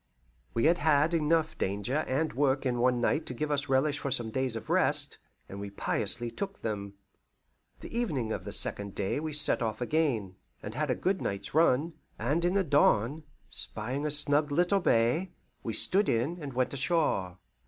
We had had enough danger and work in one night to give us relish for some days of rest, and we piously took them. The evening of the second day we set off again, and had a good night's run, and in the dawn, spying a snug little bay, we stood in, and went ashore.